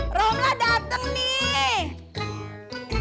romlah dateng nih